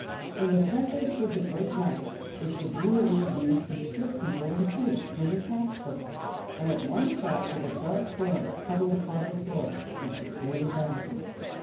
In the center stood the Great Knife which the Boolooroo used to split people in two when he patched them, and at one side was a dark form huddled upon the floor and securely bound.